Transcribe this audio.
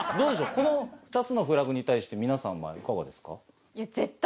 この２つのフラグに対して皆さんはいかがですか？